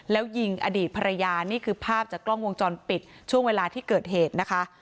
แล้วยิงอดีตภรรยานี่คือภาพจากกล้องวงจรปิดช่วงเวลาที่เกิดเหตุนะคะ